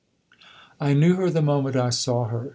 I knew her the moment I saw her.